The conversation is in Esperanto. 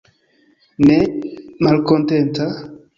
Ne malkontenta?